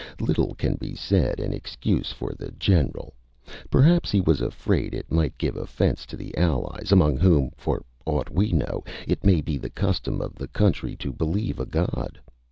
Little can be said in excuse for the general; perhaps he was afraid it might give offence to the allies, among whom, for aught we know, it may be the custom of the country to believe a God.